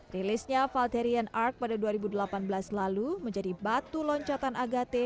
rilisnya valtterian ark pada dua ribu delapan belas lalu menjadi batu loncatan agathe